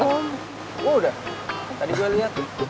oh udah tadi gue liat